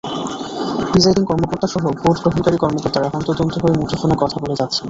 Presiding কর্মকর্তাসহ vote গ্রহণকারী কর্মকর্তারা হন্তদন্ত হয়ে মুঠোফোনে কথা বলে যাচ্ছেন।